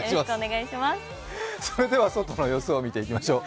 それでは外の様子を見ていきましょう。